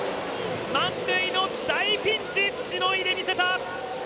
満塁の大ピンチ、しのいでみせた！